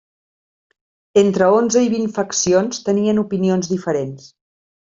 Entre onze i vint faccions tenien opinions diferents.